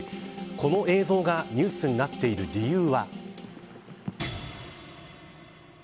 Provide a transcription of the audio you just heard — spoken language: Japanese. この映像がニュースになっている理由は。